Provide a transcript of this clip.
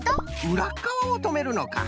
うらっかわをとめるのか。